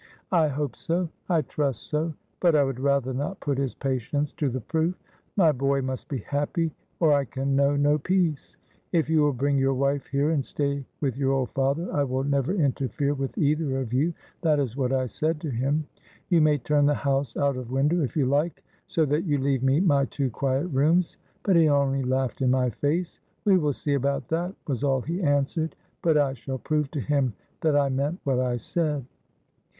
"I hope so I trust so, but I would rather not put his patience to the proof. My boy must be happy, or I can know no peace. 'If you will bring your wife here and stay with your old father I will never interfere with either of you,' that is what I said to him. 'You may turn the house out of window if you like, so that you leave me my two quiet rooms;' but he only laughed in my face. 'We will see about that,' was all he answered, but I shall prove to him that I meant what I said."